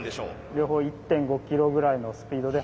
両方１．５キロぐらいのスピードで。